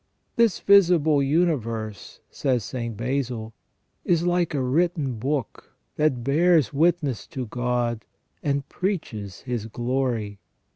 " This visible universe," says St Basil, " is like a written book that bears ■witness to God and preaches His glory.